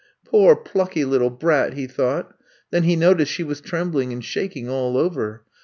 Poor, plucky little brat," he thought. Then he noticed she was trembling and shaking all over.